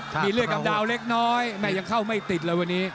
มีเลือดกับดาวเล็กน้อยแม่ยังเข้าไม่ติดเลยวันนี้